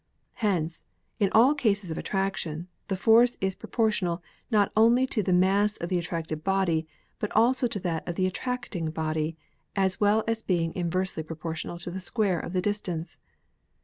Hence, in all cases of attraction, the force is pro portional not only to the mass of the attracted body, but also to that of the attracting body as well as being inversely proportional to the square of the distance.